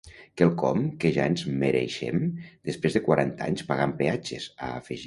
Quelcom que ja ens mereixem després de quaranta anys pagant peatges, ha afegit.